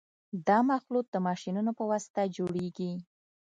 دا مخلوط د ماشینونو په واسطه جوړیږي